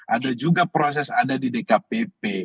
ada juga proses ada di dkpp